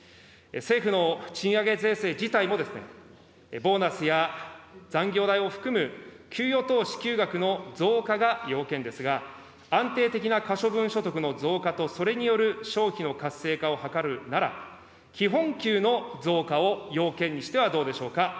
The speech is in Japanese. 政府の賃上げ税制自体も、ボーナスや残業代を含む、給与等支給額の増加が要件ですが、安定的な可処分所得の増加とそれによる消費の活性化を図るなら、基本給の増加を要件にしてはどうでしょうか。